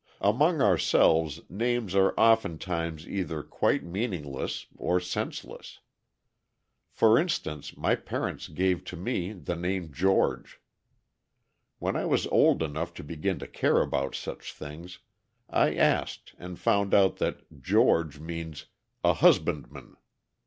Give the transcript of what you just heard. Among ourselves names are often times either quite meaningless or senseless. For instance, my parents gave to me the name George. When I was old enough to begin to care about such things, I asked and found out that "George" means "a husbandman."